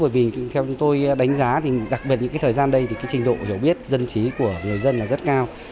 bởi vì theo chúng tôi đánh giá thì đặc biệt những cái thời gian đây thì cái trình độ hiểu biết dân trí của người dân là rất cao